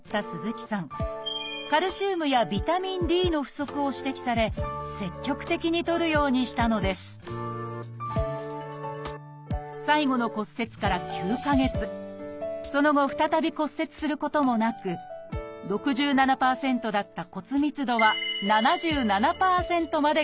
カルシウムやビタミンＤの不足を指摘され積極的にとるようにしたのです最後の骨折から９か月その後再び骨折することもなく６７％だった骨密度は７７％まで回復。